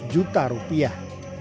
tiga ratus juta rupiah